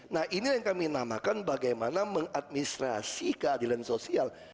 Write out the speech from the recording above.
nah ini yang kami namakan bagaimana mengadministrasi keadilan sosial